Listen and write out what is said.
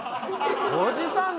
おじさんだ！